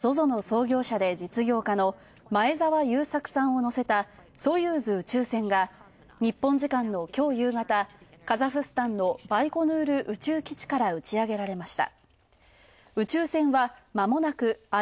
通販大手ＺＯＺＯの創業者で実業家の前澤友作さんを乗せたソユーズ宇宙船が日本時間きょう夕方、カザフスタンのバイコヌール宇宙基地から打ち上げられました。